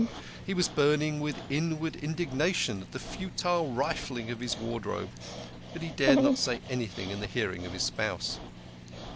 He was burning with inward indig nation at the futile rifling of his wardrobe, but he dared not say anything in the hearing of his spouse.